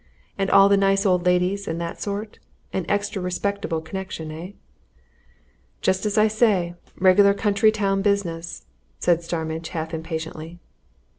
"And all the nice old ladies and that sort an extra respectable connection, eh?" "Just as I say regular country town business," said Starmidge, half impatiently.